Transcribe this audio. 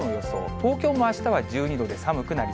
東京もあしたは１２度で寒くなり